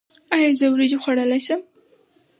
ایا زه وریجې خوړلی شم؟